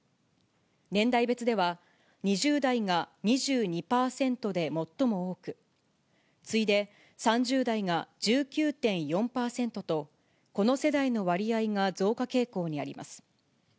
年代別では、２０代が２２％で最も多く、次いで３０代が１９．４％と、この世代の割合が増加傾向にあります。